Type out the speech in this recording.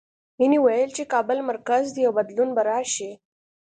مینې ویل چې کابل مرکز دی او بدلون به راشي